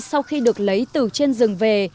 sau khi được lấy từ trên rừng về